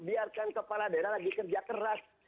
biarkan kepala daerah lagi kerja keras